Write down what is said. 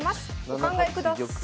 お考えください。